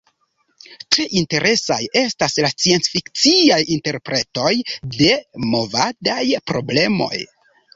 Tre interesaj estas la sciencfikciaj interpretoj de movadaj problemoj.